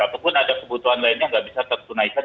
ataupun ada kebutuhan lainnya nggak bisa tertunaikan